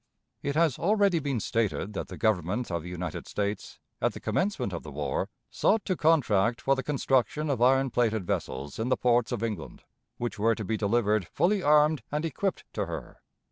It has already been stated that the Government of the United States, at the commencement of the war, sought to contract for the construction of iron plated vessels in the ports of England, which were to be delivered fully armed and equipped to her.